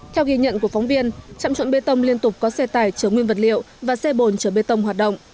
theo ghi nhận của phóng viên trạm trộn bê tông liên tục có xe tải chở nguyên vật liệu và xe bồn chở bê tông hoạt động